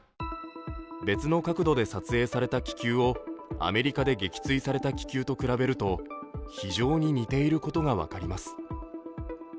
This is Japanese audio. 別の角度で撮影された気球をアメリカで撃墜された気球と比べると非常に似ていることが分かります。